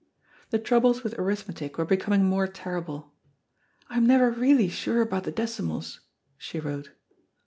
The troubles with arithmetic were becoming more terrible. "I am never really sure about the decimals," she wrote.